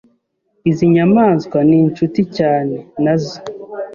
Izi nyamaswa ninshuti cyane, nazo.